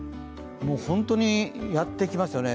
本当にやってきますよね